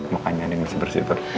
makanya ini masih bersih pak